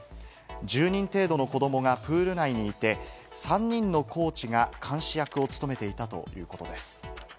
１０人程度の子供がプール内にいて、３人のコーチが監視役を務めていたということです。